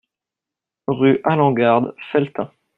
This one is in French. Rue Alengarde, Felletin